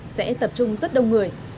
sẽ tập trung rất đông người